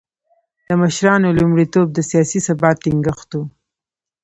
د مشرانو لومړیتوب د سیاسي ثبات ټینګښت و.